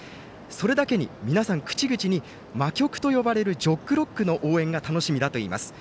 それだけに、皆さん口々に魔曲と呼ばれる「ジョックロック」の応援が楽しみだということです。